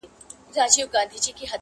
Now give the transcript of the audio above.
o خر په اته، کوټى ئې په شپېته!